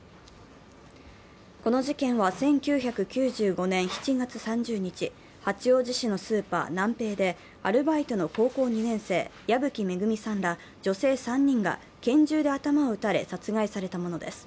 この事件は１９９５年７月３０日八王子市のスーパーナンペイでアルバイトの高校２年生、矢吹恵さんら女性３人が拳銃で頭を撃たれ殺害されたものです。